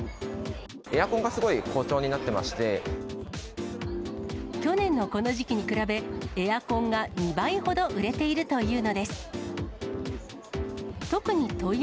エアコンがすごい好調になっ去年のこの時期に比べ、エアコンが２倍ほど売れているというのです。